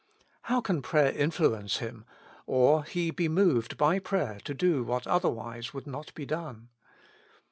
How can prayer influence Him, or He be moved by prayer to do what other wise would not be done